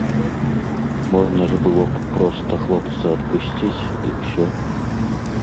Можна ж было б проста хлопца адпусціць, і ўсё.